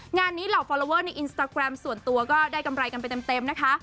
งานนี้เหล่าฟอลลอเวอร์ในอินสตาแกรมส่วนตัวก็ได้กำไรกันไปเต็มนะคะ